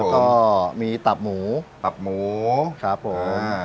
แล้วก็มีตับหมูตับหมูครับผม